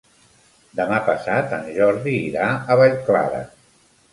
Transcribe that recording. Demà passat en Jordi irà a Vallclara.